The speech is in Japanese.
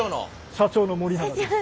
社長の森永です。